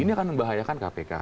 ini akan membahayakan kpk